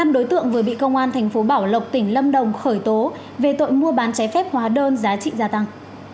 năm đối tượng vừa bị công an thành phố bảo lộc tỉnh lâm đồng khởi tố về tội mua bán trái phép hóa đơn giá trị gia tăng